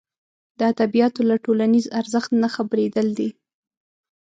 د ادبیاتو له ټولنیز ارزښت نه خبرېدل دي.